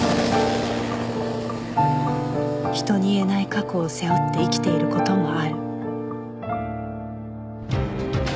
人に言えない過去を背負って生きている事もある